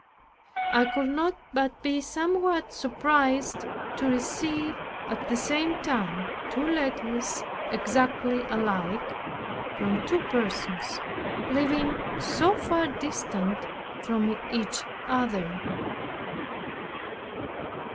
I could not but be somewhat surprised to receive at the same time two letters exactly alike, from two persons living so far distant from each other.